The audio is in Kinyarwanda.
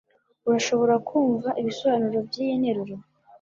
Urashobora kumva ibisobanuro byiyi nteruro?